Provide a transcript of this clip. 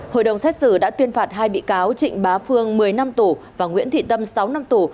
hội đồng xét xử đã tuyên phạt hai bị cáo trịnh bá phương một mươi năm tù và nguyễn thị tâm sáu năm tù